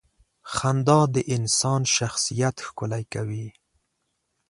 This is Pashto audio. • خندا د انسان شخصیت ښکلې کوي.